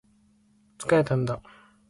疲れたんだ